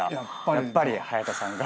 やっぱり早田さんが。